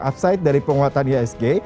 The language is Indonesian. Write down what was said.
upside dari penguatan iasg